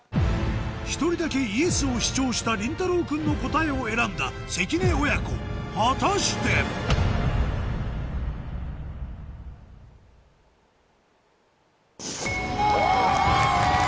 １人だけＹｅｓを主張したりんたろう君の答えを選んだ関根親子果たして⁉お！